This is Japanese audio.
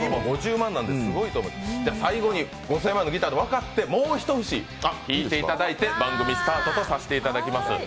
最後に５０００万のギターと分かって、もう一節、弾いていただいて番組スタートとさせていただきます。